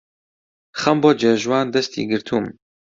خەم بۆ جێژوان دەستی گرتووم